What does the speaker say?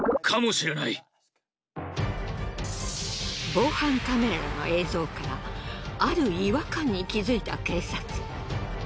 防犯カメラの映像からある違和感に気付いた警察。